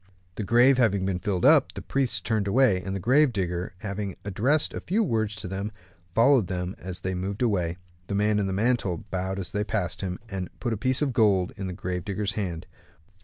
The grave having been filled up, the priests turned away, and the grave digger having addressed a few words to them, followed them as they moved away. The man in the mantle bowed as they passed him, and put a piece of gold into the grave digger's hand.